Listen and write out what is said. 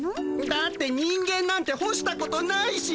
だって人間なんて干したことないし。